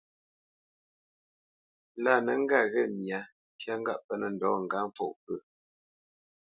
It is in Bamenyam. Lâ nə ŋgât ghê myǎ ntyá ŋgâʼ pə́ tə́ ndɔ̌ ŋgât mfó pə.